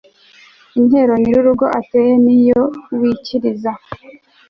intero nyirurugo ateye niyo wikiriza